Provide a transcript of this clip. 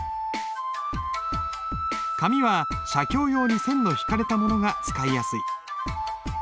紙は写経用に線の引かれたものが使いやすい。